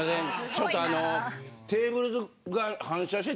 ちょっとあの。